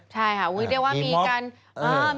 ใช่ค่ะคือเรียกได้ว่ามีการมีม็อบ